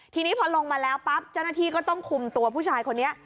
ทีนี้พอลงมาแล้วปั๊บเจ้าหน้าที่ก็ต้องคุมตัวผู้ชายคนนี้